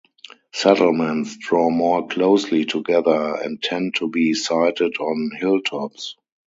Settlements draw more closely together and tend to be sited on hilltops.